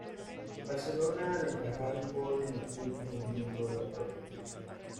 Barcelona al encajar un gol en el último minuto de la prórroga.